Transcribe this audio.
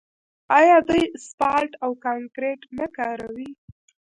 آیا دوی اسفالټ او کانکریټ نه کاروي؟